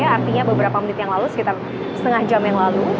artinya beberapa menit yang lalu sekitar setengah jam yang lalu